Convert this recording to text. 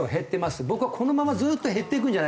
僕はこのままずっと減っていくんじゃないかなと。